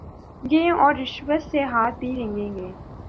گے اور رشوت سے ہاتھ بھی رنگیں گے۔